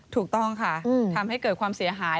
ถูกต้องค่ะทำให้เกิดความเสียหาย